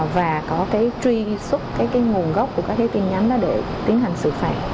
và có cái truy xuất cái nguồn gốc của các cái tin nhắn đó để tiến hành xử phạt